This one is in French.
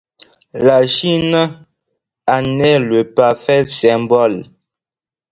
La Chine en est le parfait symbole.